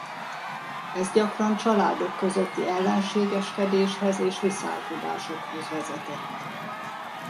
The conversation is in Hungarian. Ez gyakran családok közötti ellenségeskedéshez és viszálykodásokhoz vezetett.